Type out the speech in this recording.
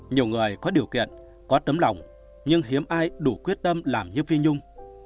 nhiều người có điều kiện có tấm lòng nhưng hiếm ai đủ quyết tâm làm như phi nhung